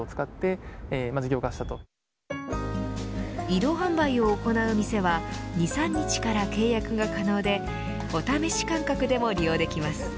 移動販売を行う店は２３日から契約が可能でお試し感覚でも利用できます。